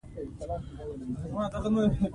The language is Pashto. په افغانستان کې نمک شتون لري.